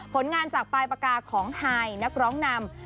ผลงานจากปลายปากกาของไฮนักร้องนำ